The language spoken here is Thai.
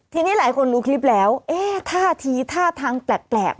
ทีนี้หลายคนรู้คลิปแล้วเอ๊ะท่าทีท่าทางแปลก